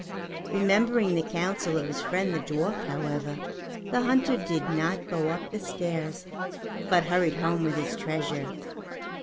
Remembering the counsel of his friend the dwarf, however, the hunter did not go up the stairs, but hurried home with his treasure.